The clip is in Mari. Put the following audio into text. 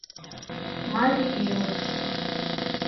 МАРИЙ ИЛЫШ